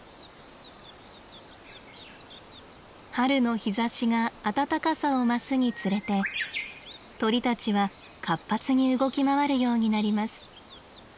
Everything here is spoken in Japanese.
春の日ざしが暖かさを増すにつれて鳥たちは活発に動き回るようになります。